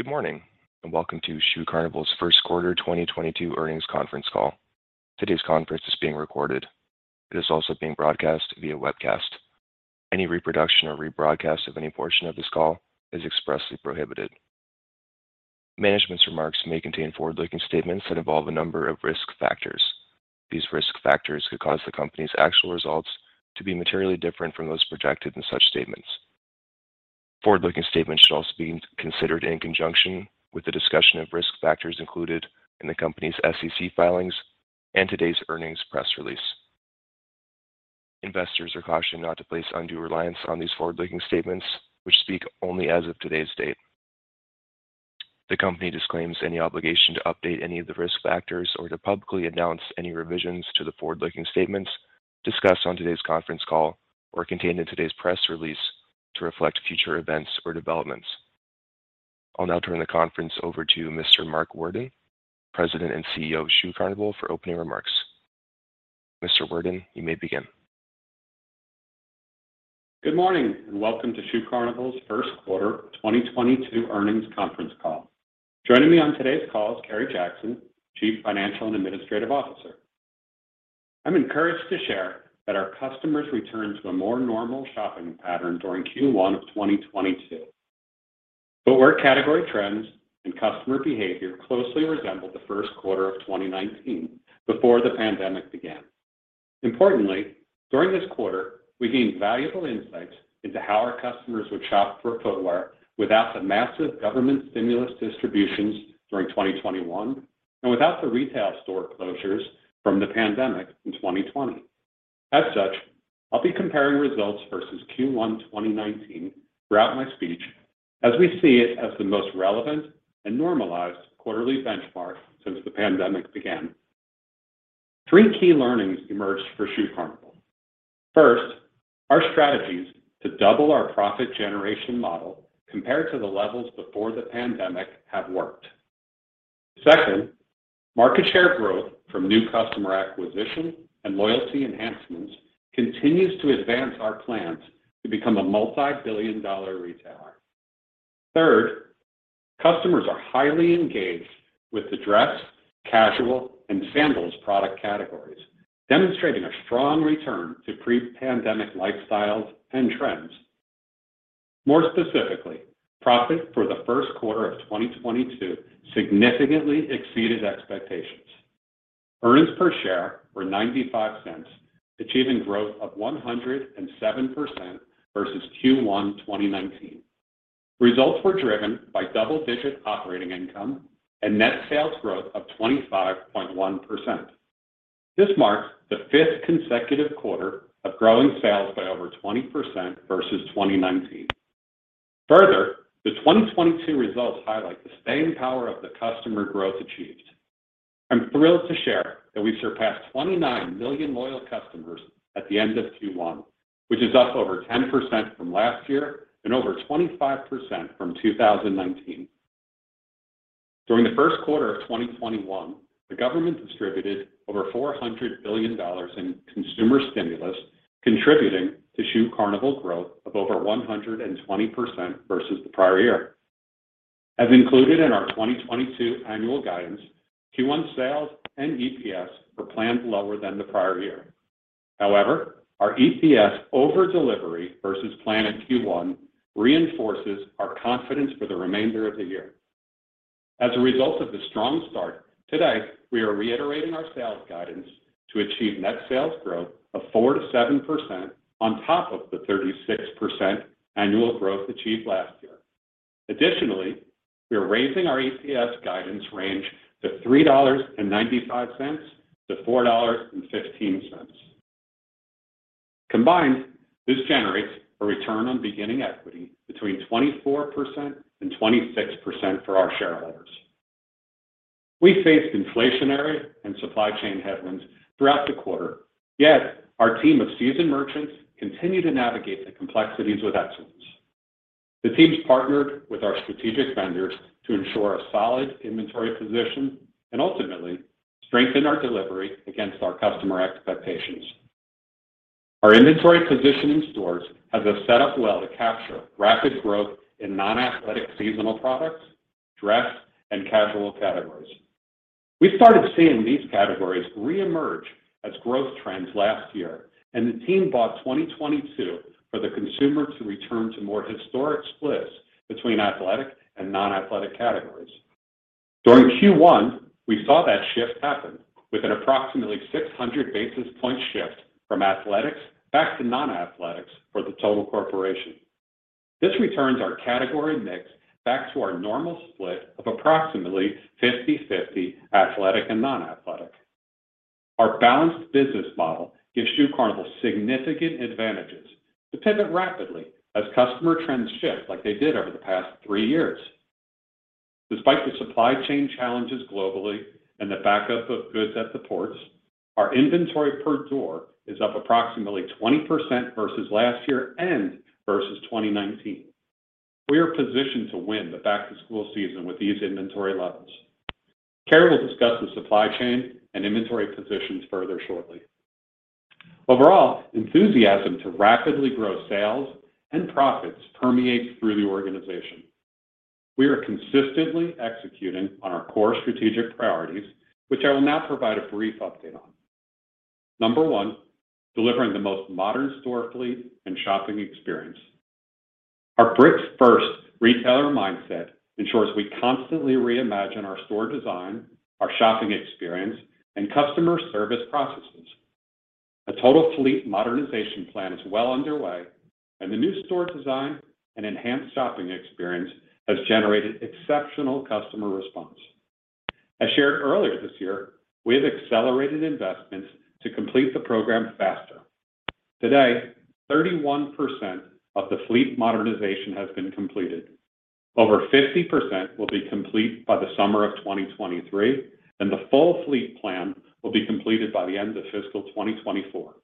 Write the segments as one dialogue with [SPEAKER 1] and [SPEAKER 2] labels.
[SPEAKER 1] Good morning, and welcome to Shoe Carnival's first quarter 2022 earnings conference call. Today's conference is being recorded. It is also being broadcast via webcast. Any reproduction or rebroadcast of any portion of this call is expressly prohibited. Management's remarks may contain forward-looking statements that involve a number of risk factors. These risk factors could cause the company's actual results to be materially different from those projected in such statements. Forward-looking statements should also be considered in conjunction with the discussion of risk factors included in the company's SEC filings and today's earnings press release. Investors are cautioned not to place undue reliance on these forward-looking statements, which speak only as of today's date. The company disclaims any obligation to update any of the risk factors or to publicly announce any revisions to the forward-looking statements discussed on today's conference call or contained in today's press release to reflect future events or developments. I'll now turn the conference over to Mr. Mark Worden, President and CEO of Shoe Carnival, for opening remarks. Mr. Worden, you may begin.
[SPEAKER 2] Good morning, and welcome to Shoe Carnival's first quarter 2022 earnings conference call. Joining me on today's call is Kerry Jackson, Chief Financial and Administrative Officer. I'm encouraged to share that our customers returned to a more normal shopping pattern during Q1 of 2022. Footwear category trends and customer behavior closely resemble the first quarter of 2019 before the pandemic began. Importantly, during this quarter, we gained valuable insights into how our customers would shop for footwear without the massive government stimulus distributions during 2021 and without the retail store closures from the pandemic in 2020. As such, I'll be comparing results versus Q1 2019 throughout my speech as we see it as the most relevant and normalized quarterly benchmark since the pandemic began. Three key learnings emerged for Shoe Carnival. First, our strategies to double our profit generation model compared to the levels before the pandemic have worked. Second, market share growth from new customer acquisition and loyalty enhancements continues to advance our plans to become a multi-billion dollar retailer. Third, customers are highly engaged with the dress, casual, and sandals product categories, demonstrating a strong return to pre-pandemic lifestyles and trends. More specifically, profit for the first quarter of 2022 significantly exceeded expectations. Earnings per share were $0.95, achieving growth of 107% versus Q1 2019. Results were driven by double-digit operating income and net sales growth of 25.1%. This marks the fifth consecutive quarter of growing sales by over 20% versus 2019. Further, the 2022 results highlight the staying power of the customer growth achieved. I'm thrilled to share that we surpassed 29 million loyal customers at the end of Q1, which is up over 10% from last year and over 25% from 2019. During the first quarter of 2021, the government distributed over $400 billion in consumer stimulus, contributing to Shoe Carnival growth of over 120% versus the prior year. As included in our 2022 annual guidance, Q1 sales and EPS were planned lower than the prior year. However, our EPS over delivery versus plan in Q1 reinforces our confidence for the remainder of the year. As a result of the strong start, today, we are reiterating our sales guidance to achieve net sales growth of 4%-7% on top of the 36% annual growth achieved last year. Additionally, we are raising our EPS guidance range to $3.95-$4.15. Combined, this generates a return on beginning equity between 24% and 26% for our shareholders. We faced inflationary and supply chain headwinds throughout the quarter. Yet, our team of seasoned merchants continue to navigate the complexities with excellence. The teams partnered with our strategic vendors to ensure a solid inventory position and ultimately strengthen our delivery against our customer expectations. Our inventory position in stores has us set up well to capture rapid growth in non-athletic seasonal products, dress, and casual categories. We started seeing these categories reemerge as growth trends last year, and the team bought 2022 for the consumer to return to more historic splits between athletic and non-athletic categories. During Q1, we saw that shift happen with an approximately 600 basis point shift from athletics back to non-athletics for the total corporation. This returns our category mix back to our normal split of approximately 50/50 athletic and non-athletic. Our balanced business model gives Shoe Carnival significant advantages to pivot rapidly as customer trends shift like they did over the past 3 years. Despite the supply chain challenges globally and the backup of goods at the ports, our inventory per door is up approximately 20% versus last year and versus 2019. We are positioned to win the back-to-school season with these inventory levels. Carrie will discuss the supply chain and inventory positions further shortly. Overall, enthusiasm to rapidly grow sales and profits permeates through the organization. We are consistently executing on our core strategic priorities, which I will now provide a brief update on. Number one, delivering the most modern store fleet and shopping experience. Our bricks first retailer mindset ensures we constantly reimagine our store design, our shopping experience, and customer service processes. A total fleet modernization plan is well underway, and the new store design and enhanced shopping experience has generated exceptional customer response. As shared earlier this year, we have accelerated investments to complete the program faster. Today, 31% of the fleet modernization has been completed. Over 50% will be complete by the summer of 2023, and the full fleet plan will be completed by the end of fiscal 2024.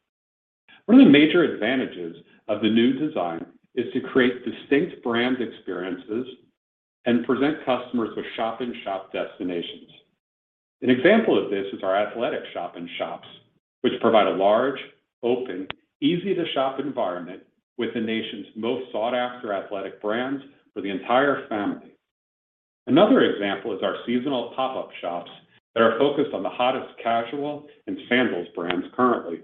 [SPEAKER 2] One of the major advantages of the new design is to create distinct brand experiences and present customers with shop in shop destinations. An example of this is our athletic shop in shops, which provide a large, open, easy to shop environment with the nation's most sought after athletic brands for the entire family. Another example is our seasonal pop-up shops that are focused on the hottest casual and sandals brands currently.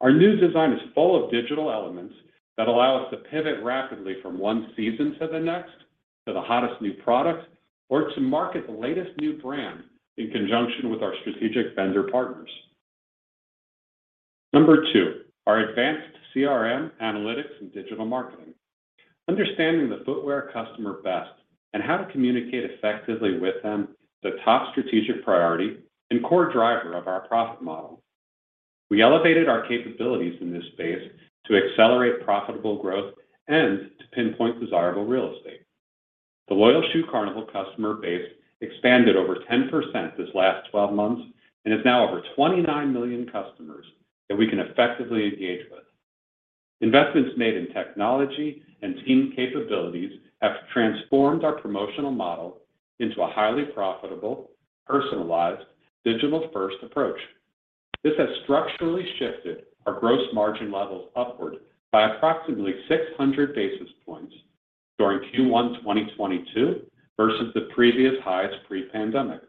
[SPEAKER 2] Our new design is full of digital elements that allow us to pivot rapidly from one season to the next, to the hottest new product, or to market the latest new brand in conjunction with our strategic vendor partners. Number two, our advanced CRM, analytics, and digital marketing. Understanding the footwear customer best and how to communicate effectively with them is a top strategic priority and core driver of our profit model. We elevated our capabilities in this space to accelerate profitable growth and to pinpoint desirable real estate. The loyal Shoe Carnival customer base expanded over 10% this last 12 months, and is now over 29 million customers that we can effectively engage with. Investments made in technology and team capabilities have transformed our promotional model into a highly profitable, personalized, digital-first approach. This has structurally shifted our gross margin levels upward by approximately 600 basis points during Q1 2022 versus the previous highs pre-pandemic.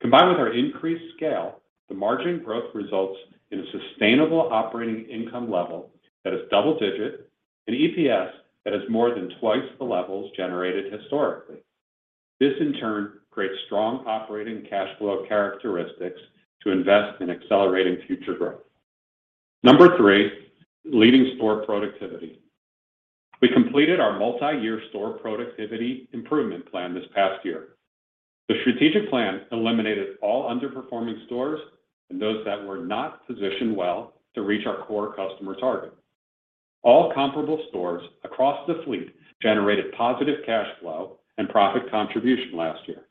[SPEAKER 2] Combined with our increased scale, the margin growth results in a sustainable operating income level that is double-digit and EPS that is more than twice the levels generated historically. This in turn creates strong operating cash flow characteristics to invest in accelerating future growth. Number three, leading store productivity. We completed our multi-year store productivity improvement plan this past year. The strategic plan eliminated all underperforming stores and those that were not positioned well to reach our core customer target. All comparable stores across the fleet generated positive cash flow and profit contribution last year.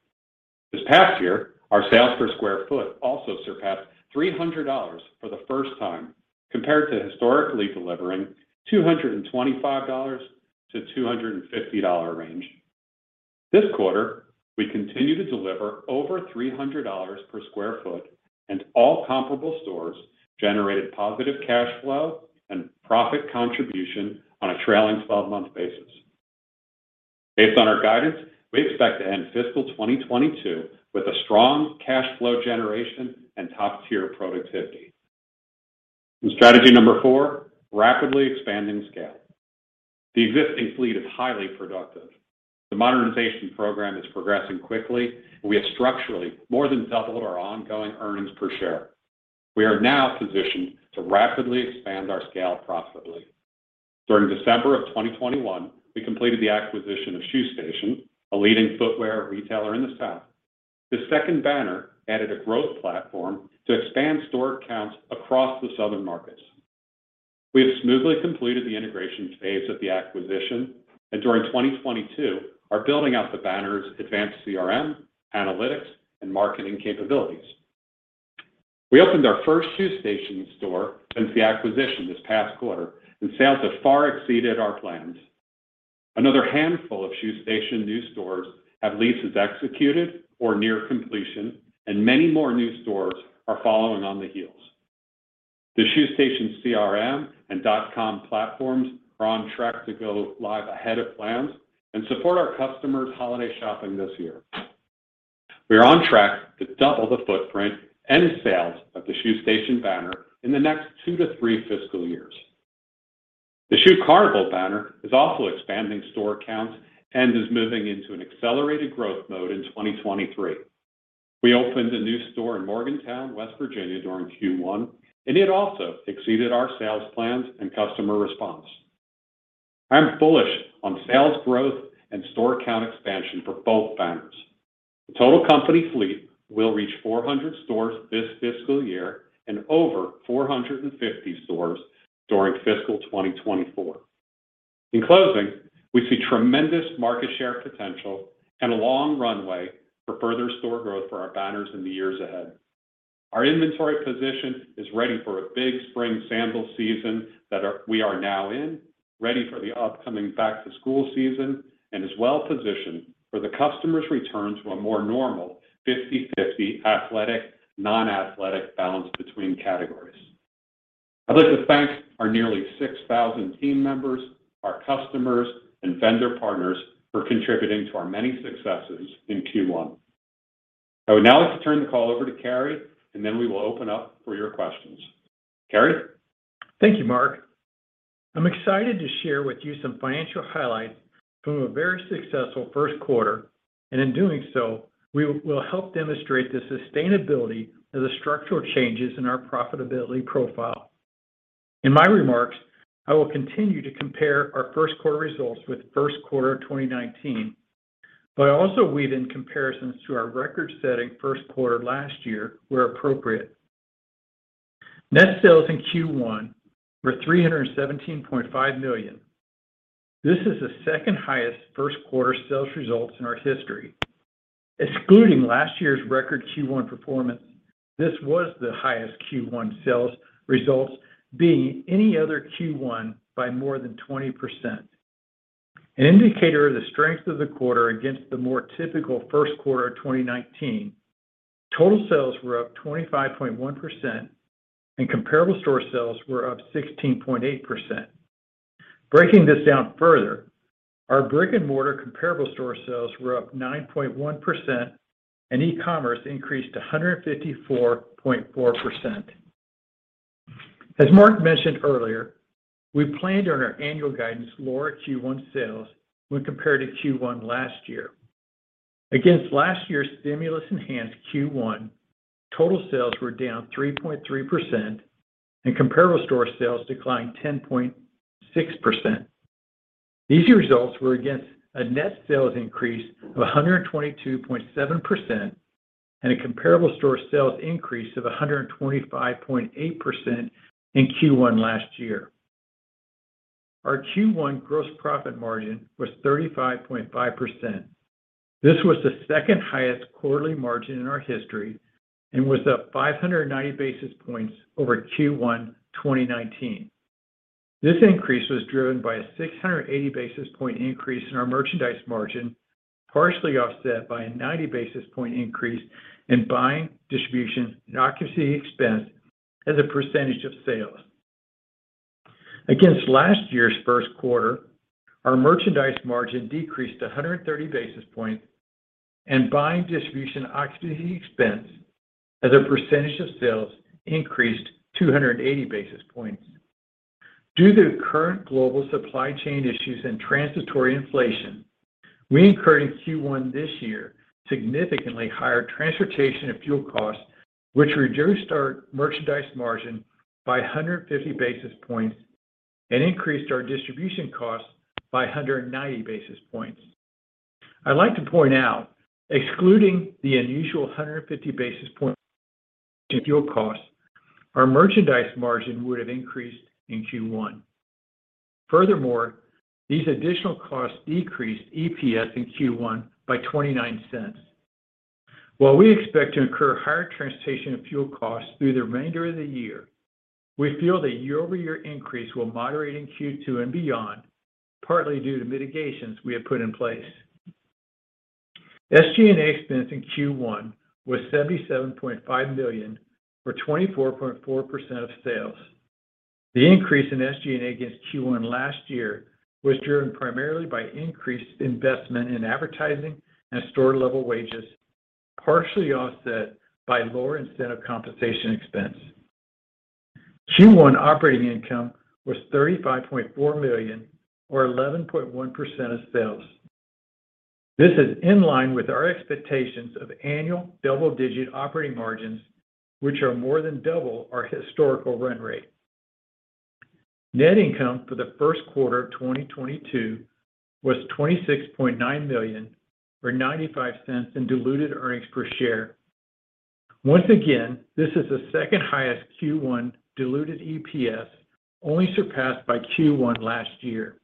[SPEAKER 2] This past year, our sales per sq ft also surpassed $300 for the first time, compared to historically delivering $225-$250 range. This quarter, we continue to deliver over $300 per sq ft and all comparable stores generated positive cash flow and profit contribution on a trailing twelve-month basis. Based on our guidance, we expect to end fiscal 2022 with a strong cash flow generation and top-tier productivity. Strategy number four, rapidly expanding scale. The existing fleet is highly productive. The modernization program is progressing quickly, and we have structurally more than doubled our ongoing earnings per share. We are now positioned to rapidly expand our scale profitably. During December of 2021, we completed the acquisition of Shoe Station, a leading footwear retailer in the South. The second banner added a growth platform to expand store counts across the southern markets. We have smoothly completed the integration phase of the acquisition, and during 2022 are building out the banner's advanced CRM, analytics, and marketing capabilities. We opened our first Shoe Station store since the acquisition this past quarter, and sales have far exceeded our plans. Another handful of Shoe Station new stores have leases executed or near completion, and many more new stores are following on the heels. The Shoe Station CRM and .com platforms are on track to go live ahead of plans and support our customers' holiday shopping this year. We are on track to double the footprint and sales of the Shoe Station banner in the next 2-3 fiscal years. The Shoe Carnival banner is also expanding store counts and is moving into an accelerated growth mode in 2023. We opened a new store in Morgantown, West Virginia during Q1, and it also exceeded our sales plans and customer response. I'm bullish on sales growth and store count expansion for both banners. The total company fleet will reach 400 stores this fiscal year and over 450 stores during fiscal 2024. In closing, we see tremendous market share potential and a long runway for further store growth for our banners in the years ahead. Our inventory position is ready for a big spring sandal season we are now in, ready for the upcoming back-to-school season, and is well-positioned for the customers' return to a more normal 50/50 athletic, non-athletic balance between categories. I'd like to thank our nearly 6,000 team members, our customers, and vendor partners for contributing to our many successes in Q1. I would now like to turn the call over to Kerry Jackson, and then we will open up for your questions. Kerry?
[SPEAKER 3] Thank you, Mark. I'm excited to share with you some financial highlights from a very successful first quarter. In doing so, we will help demonstrate the sustainability of the structural changes in our profitability profile. In my remarks, I will continue to compare our first quarter results with first quarter of 2019, but I also weave in comparisons to our record-setting first quarter last year where appropriate. Net sales in Q1 were $317.5 million. This is the second highest first quarter sales results in our history. Excluding last year's record Q1 performance, this was the highest Q1 sales results beating any other Q1 by more than 20%. An indicator of the strength of the quarter against the more typical first quarter of 2019, total sales were up 25.1% and comparable store sales were up 16.8%. Breaking this down further, our brick-and-mortar comparable store sales were up 9.1%, and e-commerce increased 154.4%. As Mark mentioned earlier, we planned on our annual guidance lower Q1 sales when compared to Q1 last year. Against last year's stimulus-enhanced Q1, total sales were down 3.3%, and comparable store sales declined 10.6%. These results were against a net sales increase of 122.7% and a comparable store sales increase of 125.8% in Q1 last year. Our Q1 gross profit margin was 35.5%. This was the second highest quarterly margin in our history and was up 590 basis points over Q1 2019. This increase was driven by a 680 basis point increase in our merchandise margin, partially offset by a 90 basis point increase in buying, distribution, and occupancy expense as a percentage of sales. Against last year's first quarter, our merchandise margin decreased a hundred and thirty basis points, and buying, distribution, and occupancy expense as a percentage of sales increased two hundred and eighty basis points. Due to current global supply chain issues and transitory inflation, we incurred in Q1 this year significantly higher transportation and fuel costs, which reduced our merchandise margin by a hundred and fifty basis points and increased our distribution costs by a hundred and ninety basis points. I'd like to point out, excluding the unusual a hundred and fifty basis point in fuel costs, our merchandise margin would have increased in Q1. Furthermore, these additional costs decreased EPS in Q1 by $0.29. While we expect to incur higher transportation and fuel costs through the remainder of the year, we feel the year-over-year increase will moderate in Q2 and beyond, partly due to mitigations we have put in place. SG&A expense in Q1 was $77.5 million or 24.4% of sales. The increase in SG&A against Q1 last year was driven primarily by increased investment in advertising and store-level wages, partially offset by lower incentive compensation expense. Q1 operating income was $35.4 million or 11.1% of sales. This is in line with our expectations of annual double-digit operating margins, which are more than double our historical run rate. Net income for the first quarter of 2022 was $26.9 million or $0.95 in diluted earnings per share. Once again, this is the second highest Q1 diluted EPS, only surpassed by Q1 last year.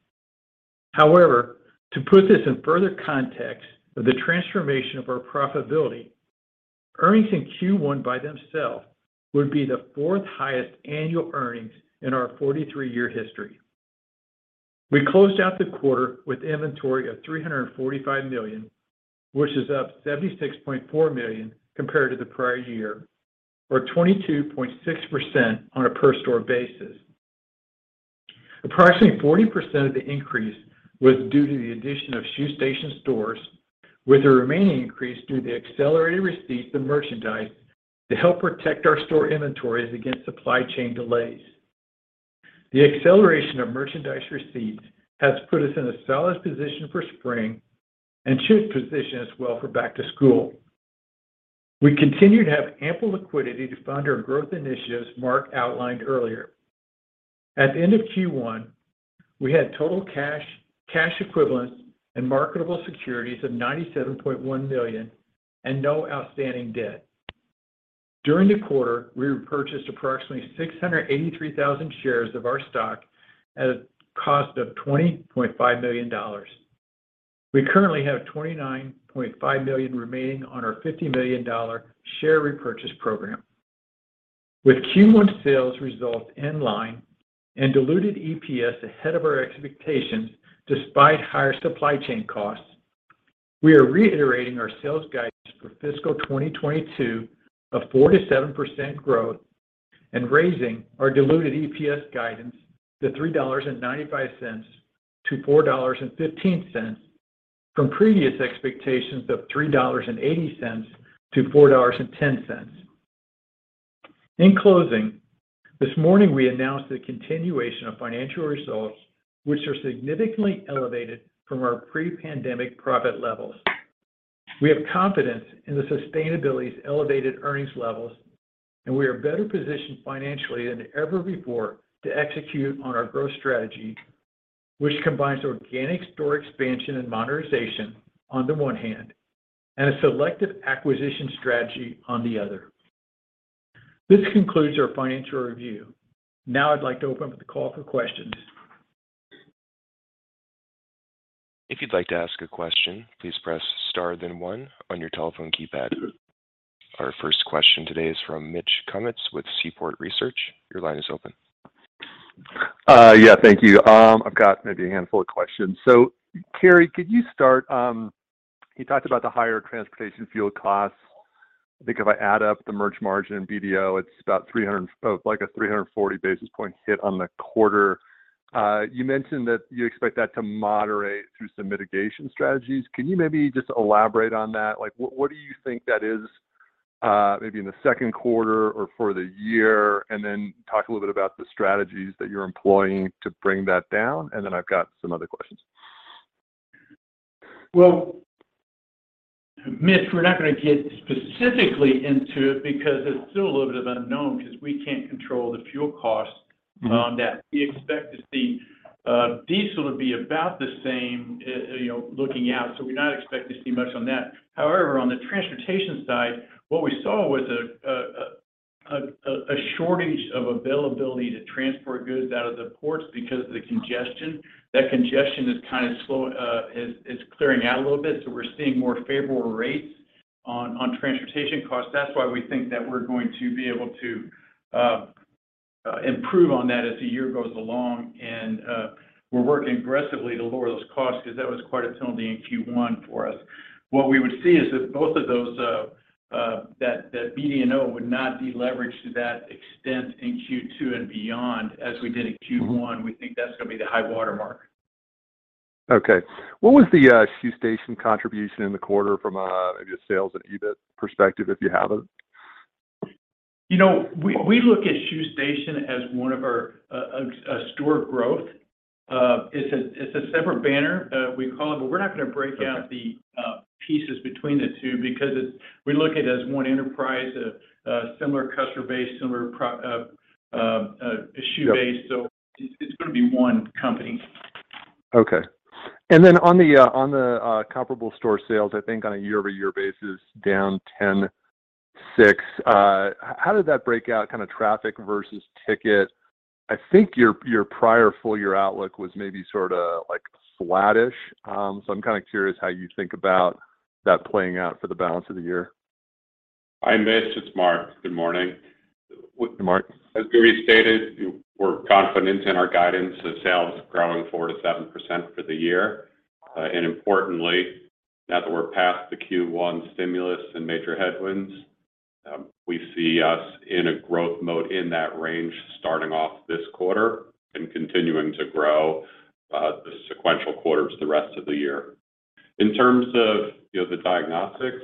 [SPEAKER 3] However, to put this in further context of the transformation of our profitability, earnings in Q1 by themselves would be the fourth highest annual earnings in our 43-year history. We closed out the quarter with inventory of $345 million, which is up $76.4 million compared to the prior year, or 22.6% on a per store basis. Approximately 40% of the increase was due to the addition of Shoe Station stores, with the remaining increase due to the accelerated receipts of merchandise to help protect our store inventories against supply chain delays. The acceleration of merchandise receipts has put us in a solid position for spring and should position us well for back to school. We continue to have ample liquidity to fund our growth initiatives Mark outlined earlier. At the end of Q1, we had total cash equivalents, and marketable securities of $97.1 million and no outstanding debt. During the quarter, we repurchased approximately 683,000 shares of our stock at a cost of $20.5 million. We currently have $29.5 million remaining on our $50 million share repurchase program. With Q1 sales results in line and diluted EPS ahead of our expectations despite higher supply chain costs, we are reiterating our sales guidance for fiscal 2022 of 4%-7% growth and raising our diluted EPS guidance to $3.95-$4.15 from previous expectations of $3.80-$4.10. In closing, this morning we announced the continuation of financial results, which are significantly elevated from our pre-pandemic profit levels. We have confidence in the sustainability of elevated earnings levels, and we are better positioned financially than ever before to execute on our growth strategy, which combines organic store expansion and modernization on the one hand and a selective acquisition strategy on the other. This concludes our financial review. Now I'd like to open up the call for questions.
[SPEAKER 1] If you'd like to ask a question, please press star then one on your telephone keypad. Our first question today is from Mitch Kummetz with Seaport Research. Your line is open.
[SPEAKER 4] Yeah, thank you. I've got maybe a handful of questions. Kerry, could you start? You talked about the higher transportation fuel costs. I think if I add up the merch margin and BD&O, it's about 340 basis point hit on the quarter. You mentioned that you expect that to moderate through some mitigation strategies. Can you maybe just elaborate on that? Like, what do you think that is, maybe in the second quarter or for the year? Then talk a little bit about the strategies that you're employing to bring that down, and then I've got some other questions.
[SPEAKER 3] Well, Mitch, we're not gonna get specifically into it because it's still a little bit of unknown because we can't control the fuel costs.
[SPEAKER 4] Mm-hmm,
[SPEAKER 3] on that. We expect to see diesel to be about the same, you know, looking out, so we're not expecting to see much on that. However, on the transportation side, what we saw was a shortage of availability to transport goods out of the ports because of the congestion. That congestion is clearing out a little bit, so we're seeing more favorable rates on transportation costs. That's why we think that we're going to be able to improve on that as the year goes along. We're working aggressively to lower those costs because that was quite a penalty in Q1 for us. What we would see is that both of those. That BD&O would not be leveraged to that extent in Q2 and beyond as we did in Q1.
[SPEAKER 4] Mm-hmm.
[SPEAKER 3] We think that's gonna be the high-water mark.
[SPEAKER 4] Okay. What was the Shoe Station contribution in the quarter from a maybe a sales and EBIT perspective, if you have it?
[SPEAKER 3] You know, we look at Shoe Station as a store growth. It's a separate banner we call it, but we're not gonna break out.
[SPEAKER 4] Okay.
[SPEAKER 3] The pieces between the two because it's we look at it as one enterprise, a similar customer base, similar shoe base.
[SPEAKER 4] Yep.
[SPEAKER 3] It's gonna be one company.
[SPEAKER 4] Okay. On the comparable store sales, I think on a year-over-year basis, down 10.6%. How did that break out, kind of traffic versus ticket? I think your prior full year outlook was maybe sort of like flattish. I'm kind of curious how you think about that playing out for the balance of the year.
[SPEAKER 2] Hi, Mitch. It's Mark. Good morning.
[SPEAKER 4] Good morning.
[SPEAKER 2] As Carrie Jackson stated, we're confident in our guidance of sales growing 4%-7% for the year. Importantly, now that we're past the Q1 stimulus and major headwinds, we see us in a growth mode in that range starting off this quarter and continuing to grow the sequential quarters the rest of the year. In terms of, you know, the diagnostics,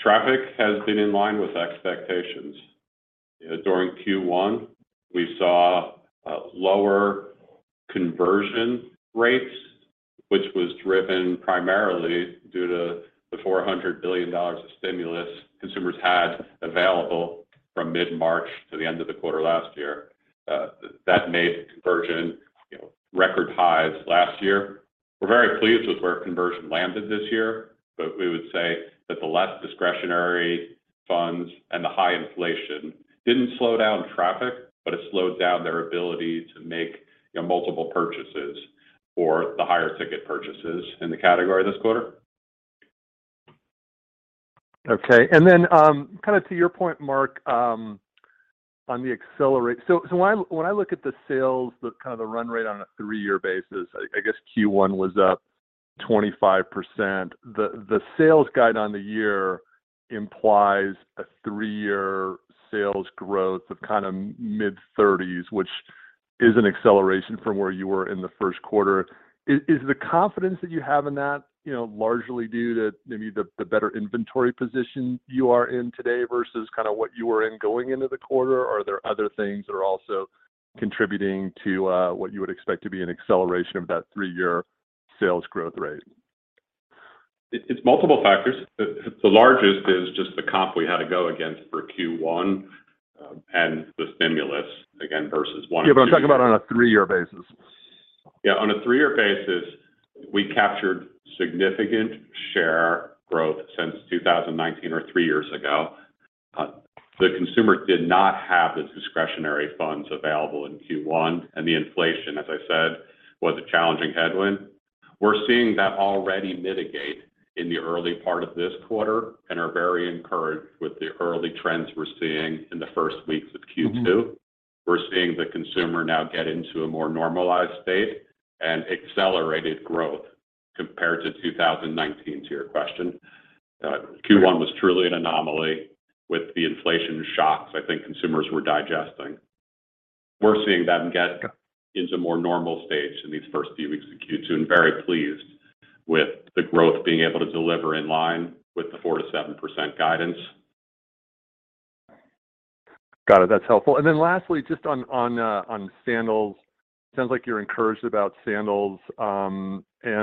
[SPEAKER 2] traffic has been in line with expectations. During Q1, we saw lower conversion rates, which was driven primarily due to the $400 billion of stimulus consumers had available from mid-March to the end of the quarter last year. That made conversion, you know, record highs last year. We're very pleased with where conversion landed this year, but we would say that the less discretionary funds and the high inflation didn't slow down traffic, but it slowed down their ability to make, you know, multiple purchases or the higher ticket purchases in the category this quarter.
[SPEAKER 4] Okay. To your point, Mark, when I look at the sales, the kind of the run rate on a three-year basis, I guess Q1 was up 25%. The sales guide on the year implies a three-year sales growth of kind of mid-30s, which is an acceleration from where you were in the first quarter. Is the confidence that you have in that, you know, largely due to maybe the better inventory position you are in today versus kind of what you were in going into the quarter? Are there other things that are also contributing to what you would expect to be an acceleration of that three-year sales growth rate?
[SPEAKER 2] It's multiple factors. The largest is just the comp we had to go against for Q1, and the stimulus again versus one and two.
[SPEAKER 4] I'm talking about on a three-year basis.
[SPEAKER 2] Yeah. On a three-year basis, we captured significant share growth since 2019 or 3 years ago. The consumer did not have the discretionary funds available in Q1, and the inflation, as I said, was a challenging headwind. We're seeing that already mitigated in the early part of this quarter and are very encouraged with the early trends we're seeing in the first weeks of Q2.
[SPEAKER 4] Mm-hmm.
[SPEAKER 2] We're seeing the consumer now get into a more normalized state and accelerated growth compared to 2019, to your question.
[SPEAKER 4] Great.
[SPEAKER 2] Q1 was truly an anomaly with the inflation shocks I think consumers were digesting. We're seeing that get into more normal stage in these first few weeks of Q2, and very pleased with the growth being able to deliver in line with the 4%-7% guidance.
[SPEAKER 4] Got it. That's helpful. Lastly, just on sandals. Sounds like you're encouraged about sandals. I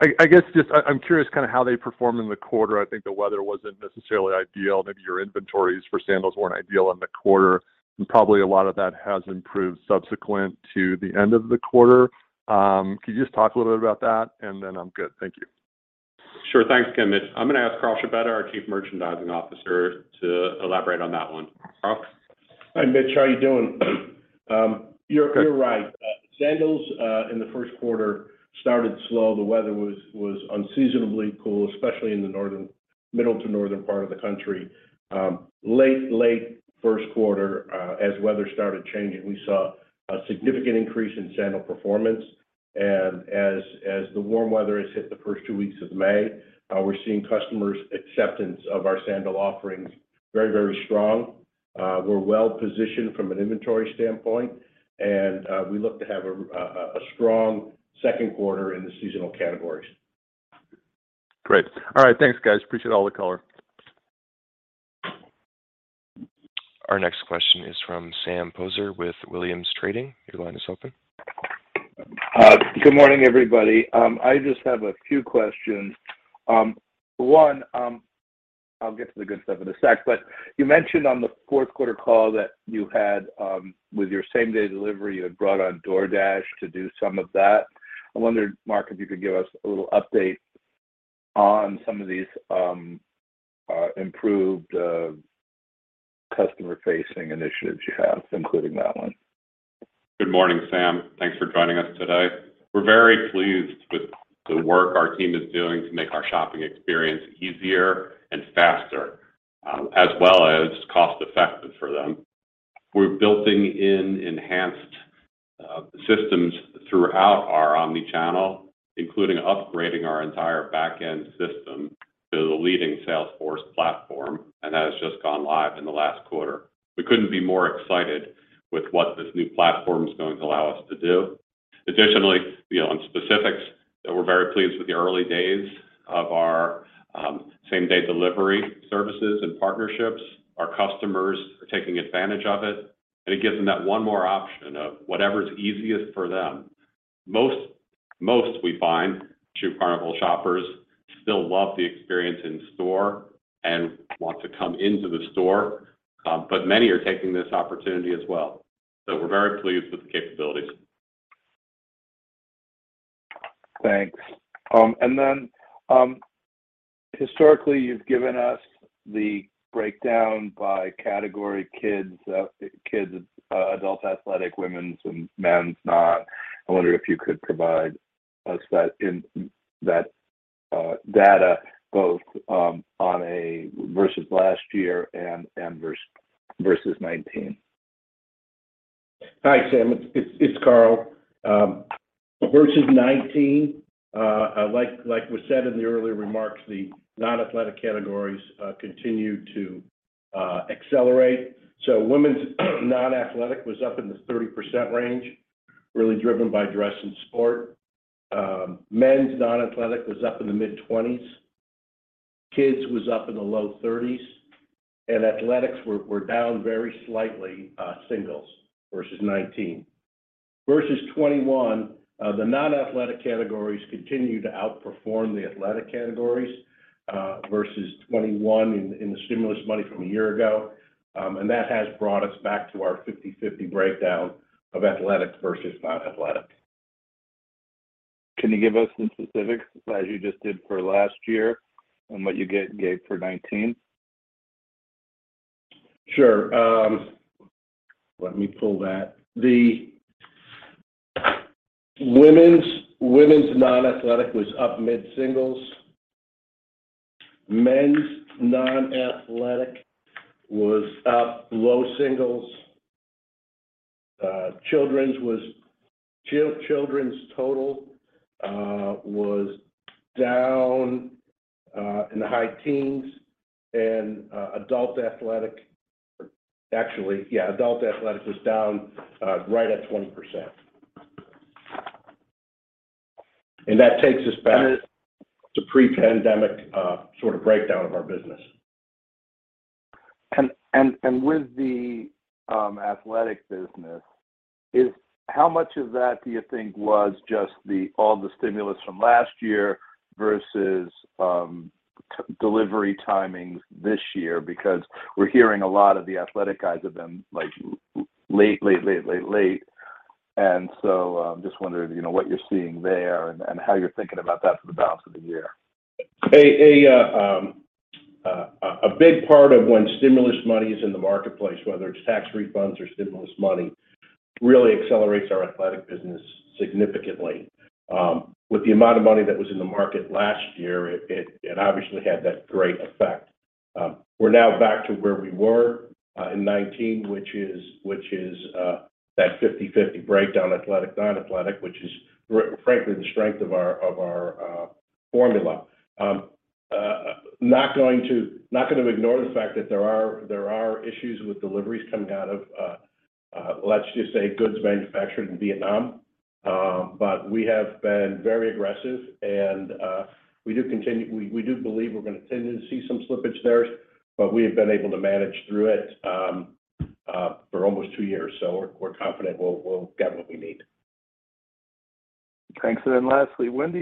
[SPEAKER 4] guess I'm curious kind of how they performed in the quarter. I think the weather wasn't necessarily ideal. Maybe your inventories for sandals weren't ideal in the quarter, and probably a lot of that has improved subsequent to the end of the quarter. Could you just talk a little bit about that? I'm good. Thank you.
[SPEAKER 2] Sure. Thanks, Ken. I'm gonna ask Carl Scibetta, our Chief Merchandising Officer, to elaborate on that one. Carl?
[SPEAKER 5] Hi, Mitch, how are you doing? You're right. Sandals in the first quarter started slow. The weather was unseasonably cool, especially in the middle to northern part of the country. Late first quarter, as weather started changing, we saw a significant increase in sandal performance. As the warm weather has hit the first two weeks of May, we're seeing customers' acceptance of our sandal offerings very strong. We're well-positioned from an inventory standpoint, and we look to have a strong second quarter in the seasonal categories.
[SPEAKER 4] Great. All right, thanks, guys. Appreciate all the color.
[SPEAKER 1] Our next question is from Sam Poser with Williams Trading. Your line is open.
[SPEAKER 6] Good morning, everybody. I just have a few questions. One, I'll get to the good stuff in a sec, you mentioned on the fourth quarter call that you had, with your same-day delivery, you had brought on DoorDash to do some of that. I wondered, Mark, if you could give us a little update on some of these, improved, customer-facing initiatives you have, including that one.
[SPEAKER 2] Good morning, Sam. Thanks for joining us today. We're very pleased with the work our team is doing to make our shopping experience easier and faster, as well as cost-effective for them. We're building in enhanced systems throughout our omni-channel, including upgrading our entire back-end system to the leading Salesforce platform, and that has just gone live in the last quarter. We couldn't be more excited with what this new platform is going to allow us to do. Additionally, beyond specifics, we're very pleased with the early days of our same-day delivery services and partnerships. Our customers are taking advantage of it, and it gives them that one more option of whatever's easiest for them. Most we find, Shoe Carnival shoppers still love the experience in store and want to come into the store, but many are taking this opportunity as well. We're very pleased with the capabilities.
[SPEAKER 6] Thanks. Historically, you've given us the breakdown by category kids, adult athletic, women's, and men's non. I wonder if you could provide us that data both on a versus last year and versus 2019.
[SPEAKER 5] Hi, Sam. It's Carl. Versus 2019, like was said in the earlier remarks, the non-athletic categories continue to accelerate. Women's non-athletic was up in the 30% range, really driven by dress and sport. Men's non-athletic was up in the mid-20s. Kids was up in the low 30s, and athletics were down very slightly, single digits versus 2019. Versus 2021, the non-athletic categories continue to outperform the athletic categories, versus 2021 in the stimulus money from a year ago. That has brought us back to our 50-50 breakdown of athletics versus non-athletics.
[SPEAKER 6] Can you give us some specifics as you just did for last year and what you gave for 2019?
[SPEAKER 5] Sure. Let me pull that. The women's non-athletic was up mid-singles. Men's non-athletic was up low singles. Children's total was down in the high teens. Actually, yeah, adult athletic was down right at 20%. That takes us back.
[SPEAKER 6] And it-
[SPEAKER 5] To pre-pandemic, sort of breakdown of our business.
[SPEAKER 6] With the athletic business, how much of that do you think was just all the stimulus from last year versus delivery timings this year? Because we're hearing a lot of the athletic guys have been, like, late. Just wondering, you know, what you're seeing there and how you're thinking about that for the balance of the year.
[SPEAKER 5] A big part of when stimulus money is in the marketplace, whether it's tax refunds or stimulus money, really accelerates our athletic business significantly. With the amount of money that was in the market last year, it obviously had that great effect. We're now back to where we were in 2019, which is that 50/50 breakdown athletic, non-athletic, which is frankly the strength of our formula. Not gonna ignore the fact that there are issues with deliveries coming out of, let's just say, goods manufactured in Vietnam. We have been very aggressive and we do continue. We do believe we're gonna continue to see some slippage there, but we have been able to manage through it for almost two years, so we're confident we'll get what we need.
[SPEAKER 6] Thanks. Lastly, when do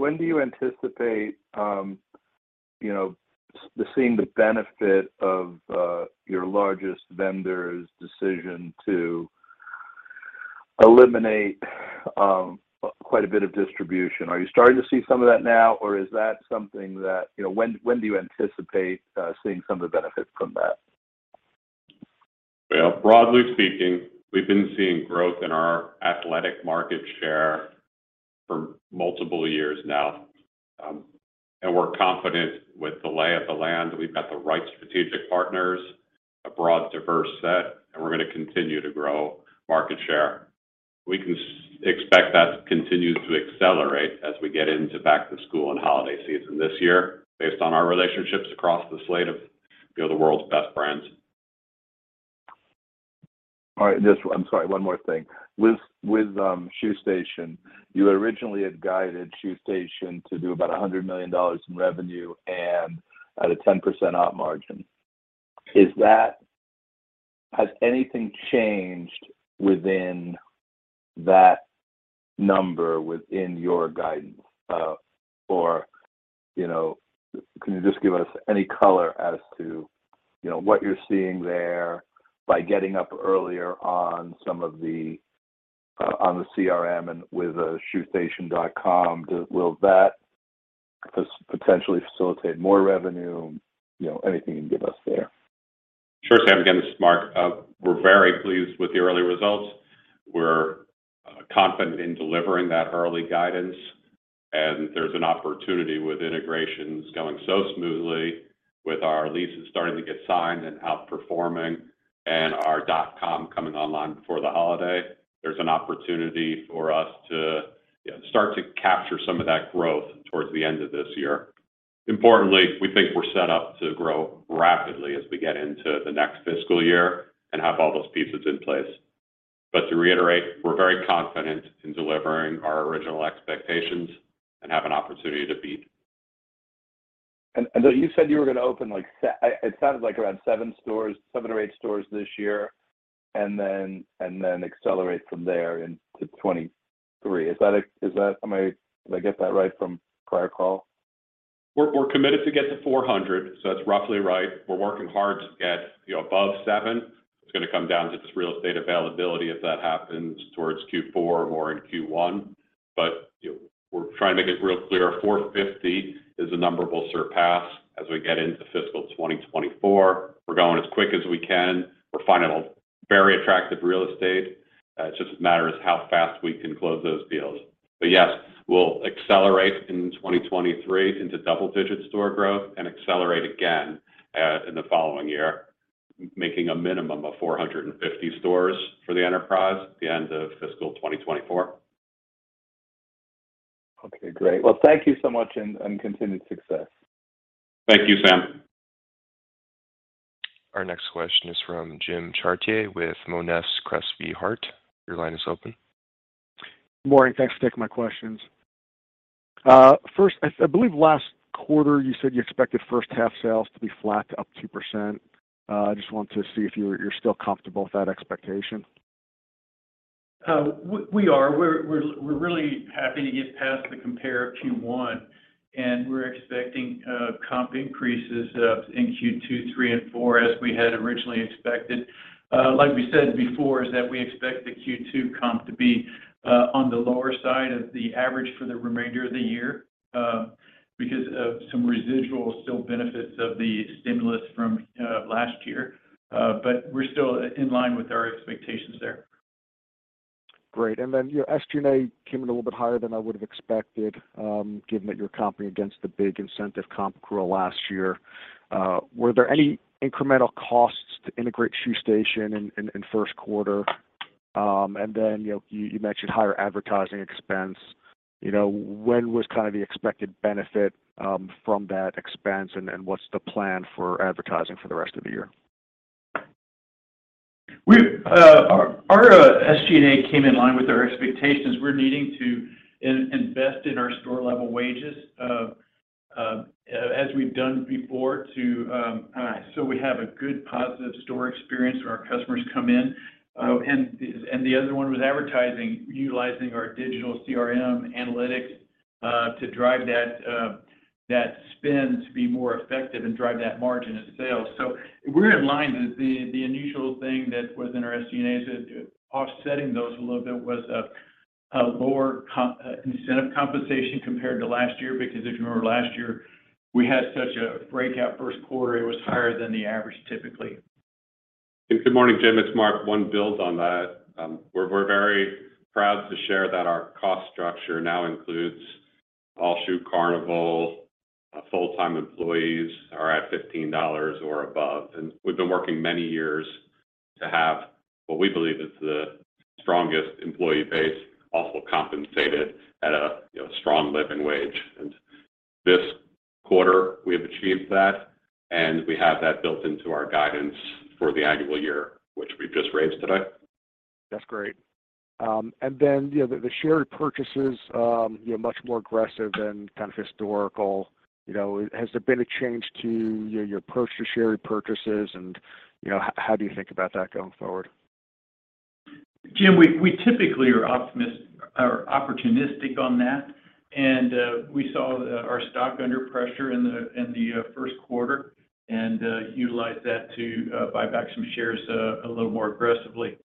[SPEAKER 6] you anticipate, you know, seeing the benefit of your largest vendor's decision to eliminate quite a bit of distribution? Are you starting to see some of that now, or is that something that you know, when do you anticipate seeing some of the benefits from that?
[SPEAKER 2] Well, broadly speaking, we've been seeing growth in our athletic market share for multiple years now. We're confident with the lay of the land that we've got the right strategic partners, a broad, diverse set, and we're gonna continue to grow market share. We can expect that to continue to accelerate as we get into back to school and holiday season this year based on our relationships across the slate of, you know, the world's best brands.
[SPEAKER 6] All right. Just, I'm sorry, one more thing. With Shoe Station, you originally had guided Shoe Station to do about $100 million in revenue and at a 10% op margin. Has anything changed within that number within your guidance? Or, you know, can you just give us any color as to, you know, what you're seeing there by getting up earlier on the CRM and with ShoeStation.com? Will that potentially facilitate more revenue? You know, anything you can give us there.
[SPEAKER 2] Sure, Sam. Again, this is Mark. We're very pleased with the early results. We're confident in delivering that early guidance, and there's an opportunity with integrations going so smoothly with our leases starting to get signed and outperforming and our dot-com coming online before the holiday. There's an opportunity for us to, you know, start to capture some of that growth towards the end of this year. Importantly, we think we're set up to grow rapidly as we get into the next fiscal year and have all those pieces in place. But to reiterate, we're very confident in delivering our original expectations and have an opportunity to beat.
[SPEAKER 6] You said you were gonna open like around seven stores, 7 or 8 stores this year, and then accelerate from there into 2023. Did I get that right from prior call?
[SPEAKER 2] We're committed to get to 400, so that's roughly right. We're working hard to get, you know, above seven. It's gonna come down to just real estate availability if that happens towards Q4 or in Q1. You know, we're trying to make it real clear, 450 is the number we'll surpass as we get into fiscal 2024. We're going as quick as we can. We're finding very attractive real estate. It just matters how fast we can close those deals. Yes, we'll accelerate in 2023 into double-digit store growth and accelerate again in the following year, making a minimum of 450 stores for the enterprise at the end of fiscal 2024.
[SPEAKER 6] Okay, great. Well, thank you so much and continued success.
[SPEAKER 2] Thank you, Sam.
[SPEAKER 1] Our next question is from Jim Chartier with Monness, Crespi, Hardt & Co.. Your line is open.
[SPEAKER 7] Morning. Thanks for taking my questions. First, I believe last quarter you said you expected first half sales to be flat to up 2%. I just wanted to see if you're still comfortable with that expectation.
[SPEAKER 3] We're really happy to get past the comp of Q1, and we're expecting comp increases in Q2, three, and four as we had originally expected. Like we said before, is that we expect the Q2 comp to be on the lower side of the average for the remainder of the year because of some residual still benefits of the stimulus from last year. We're still in line with our expectations there.
[SPEAKER 7] Great. Then, you know, SG&A came in a little bit higher than I would have expected, given that you're comping against the big incentive comp growth last year. Were there any incremental costs to integrate Shoe Station in first quarter? Then, you know, you mentioned higher advertising expense. You know, when was kind of the expected benefit from that expense, and what's the plan for advertising for the rest of the year?
[SPEAKER 3] Our SG&A came in line with our expectations. We're needing to invest in our store-level wages, as we've done before to so we have a good, positive store experience when our customers come in. The other one was advertising, utilizing our digital CRM analytics to drive that spend to be more effective and drive that margin of sales. We're in line. The unusual thing that within our SG&A is that offsetting those a little bit was a lower incentive compensation compared to last year. Because if you remember last year, we had such a breakout first quarter, it was higher than the average typically.
[SPEAKER 2] Good morning, Jim. It's Mark. I'll build on that. We're very proud to share that our cost structure now includes all Shoe Carnival full-time employees are at $15 or above. We've been working many years to have what we believe is the strongest employee base also compensated at a, you know, strong living wage. This quarter, we have achieved that, and we have that built into our guidance for the annual year, which we've just raised today.
[SPEAKER 7] That's great. You know, the share purchases, you know, much more aggressive than kind of historical. You know, has there been a change to your approach to share purchases and, you know, how do you think about that going forward?
[SPEAKER 2] Jim, we typically are opportunistic on that. We saw our stock under pressure in the first quarter and utilized that to buy back some shares a little more aggressively.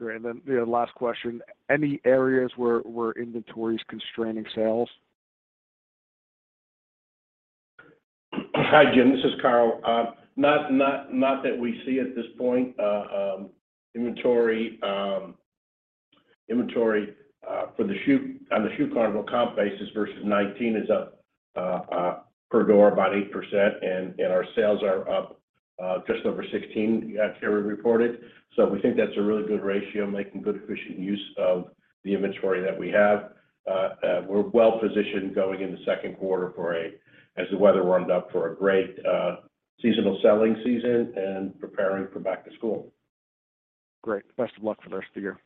[SPEAKER 7] Great. You know, last question. Any areas where inventory is constraining sales?
[SPEAKER 5] Hi, Jim Chartier, this is Carl Scibetta. Not that we see at this point. Inventory on the Shoe Carnival comp basis versus 2019 is up per door about 8%, and our sales are up just over 16% as Carrie Jackson reported. We think that's a really good ratio, making good efficient use of the inventory that we have. We're well-positioned going in the second quarter as the weather warmed up for a great seasonal selling season and preparing for back to school.
[SPEAKER 7] Great. Best of luck for the rest of the year.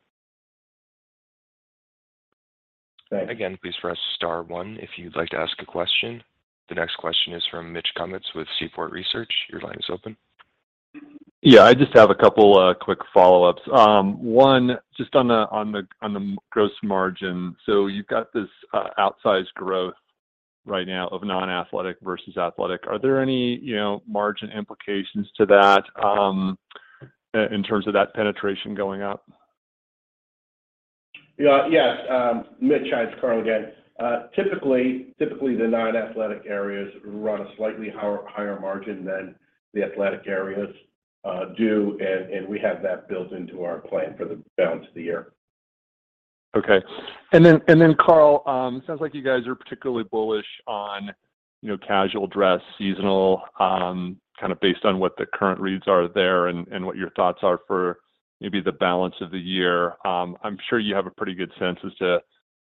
[SPEAKER 2] Thanks.
[SPEAKER 1] Again, please press star one if you'd like to ask a question. The next question is from Mitch Kummetz with Seaport Research. Your line is open.
[SPEAKER 4] Yeah. I just have a couple quick follow-ups. One, just on the gross margin. You've got this outsized growth right now of non-athletic versus athletic. Are there any, you know, margin implications to that in terms of that penetration going up?
[SPEAKER 5] Yeah. Yes, Mitch, hi, it's Carl again. Typically, the non-athletic areas run a slightly higher margin than the athletic areas do and we have that built into our plan for the balance of the year.
[SPEAKER 4] Okay. Then Carl, sounds like you guys are particularly bullish on, you know, casual dress, seasonal, kind of based on what the current reads are there and what your thoughts are for maybe the balance of the year. I'm sure you have a pretty good sense as to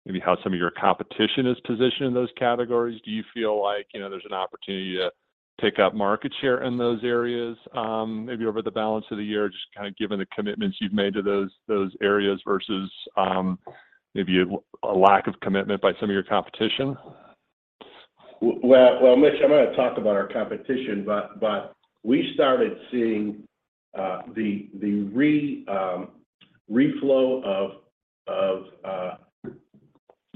[SPEAKER 4] maybe how some of your competition is positioned in those categories. Do you feel like, you know, there's an opportunity to take up market share in those areas, maybe over the balance of the year, just kinda given the commitments you've made to those areas versus, maybe a lack of commitment by some of your competition?
[SPEAKER 5] Well, Mitch, I'm gonna talk about our competition, but we started seeing the reflow of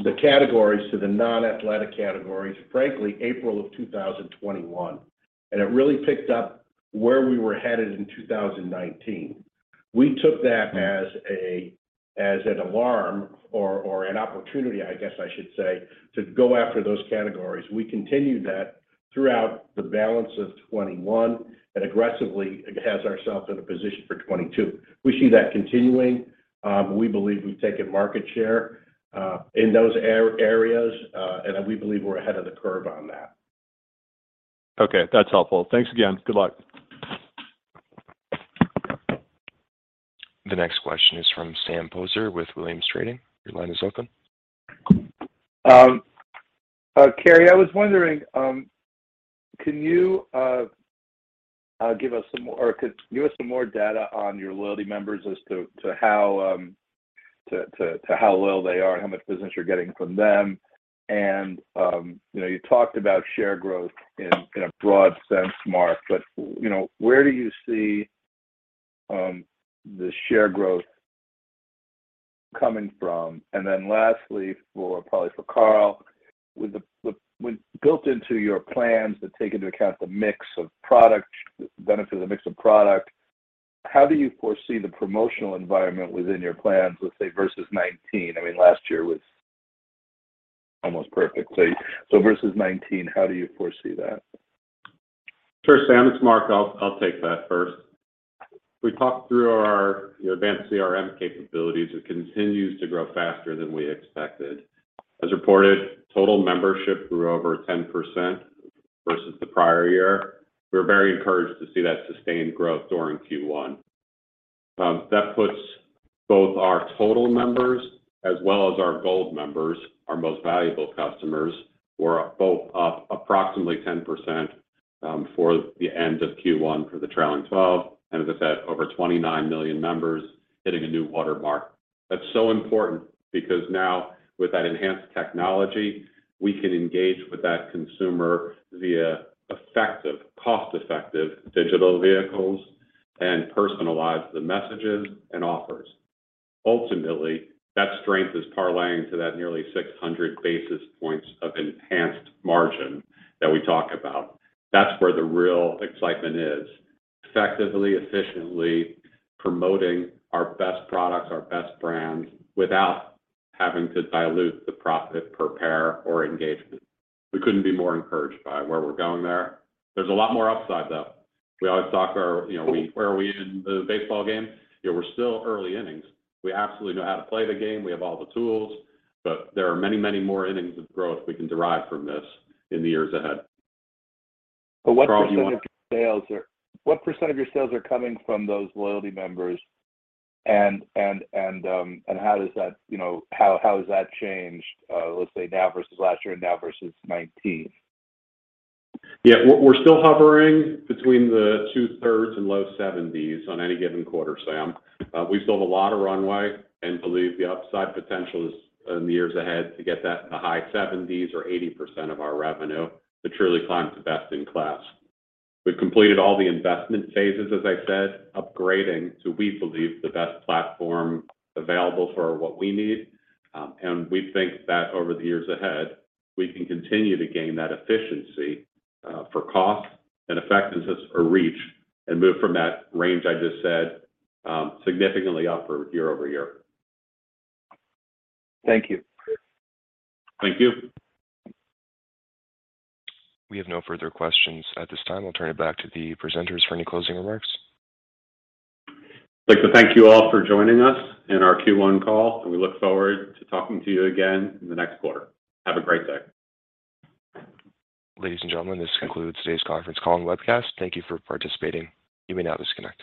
[SPEAKER 5] the categories to the non-athletic categories, frankly, April 2021. It really picked up where we were headed in 2019. We took that as an alarm or an opportunity, I guess I should say, to go after those categories. We continued that throughout the balance of 2021 and aggressively positioned ourselves in a position for 2022. We see that continuing. We believe we've taken market share in those areas and we believe we're ahead of the curve on that.
[SPEAKER 4] Okay. That's helpful. Thanks again. Good luck.
[SPEAKER 1] The next question is from Sam Poser with Williams Trading. Your line is open.
[SPEAKER 6] Carl, I was wondering, can you give us some more data on your loyalty members as to how loyal they are and how much business you're getting from them? You know, you talked about share growth in a broad sense, Mark, but you know, where do you see the share growth coming from? Then lastly, probably for Carl, when built into your plans to take into account the benefits of the mix of product, how do you foresee the promotional environment within your plans, let's say, versus 2019? I mean, last year was almost perfectly. Versus 2019, how do you foresee that?
[SPEAKER 2] Sure, Sam, it's Mark. I'll take that first. We talked through our you know advanced CRM capabilities. It continues to grow faster than we expected. As reported, total membership grew over 10% versus the prior year. We're very encouraged to see that sustained growth during Q1. That puts both our total members as well as our gold members, our most valuable customers, were both up approximately 10%, for the end of Q1 for the trailing twelve. As I said, over 29 million members hitting a new watermark. That's so important because now with that enhanced technology, we can engage with that consumer via effective, cost-effective digital vehicles and personalize the messages and offers. Ultimately, that strength is parlaying to that nearly 600 basis points of enhanced margin that we talk about. That's where the real excitement is. Effectively, efficiently promoting our best products, our best brands without having to dilute the profit per pair or engagement. We couldn't be more encouraged by where we're going there. There's a lot more upside, though. We always talk about, you know, where are we in the baseball game? You know, we're still early innings. We absolutely know how to play the game. We have all the tools, but there are many, many more innings of growth we can derive from this in the years ahead. Carl, you want-
[SPEAKER 6] What % of your sales are coming from those loyalty members and how does that, you know, how has that changed, let's say, now versus last year and now versus 2019?
[SPEAKER 2] Yeah. We're still hovering between two-thirds and low 70s on any given quarter, Sam. We still have a lot of runway and believe the upside potential is in the years ahead to get that in the high 70s or 80% of our revenue to truly climb to best in class. We've completed all the investment phases, as I said, upgrading to, we believe, the best platform available for what we need. We think that over the years ahead, we can continue to gain that efficiency for cost and effectiveness or reach and move from that range I just said, significantly up year-over-year.
[SPEAKER 6] Thank you.
[SPEAKER 2] Thank you.
[SPEAKER 1] We have no further questions at this time. I'll turn it back to the presenters for any closing remarks.
[SPEAKER 2] I'd like to thank you all for joining us in our Q1 call, and we look forward to talking to you again in the next quarter. Have a great day.
[SPEAKER 1] Ladies and gentlemen, this concludes today's conference call and webcast. Thank you for participating. You may now disconnect.